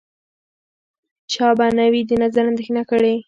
چا به نه وي د نظر اندېښنه کړې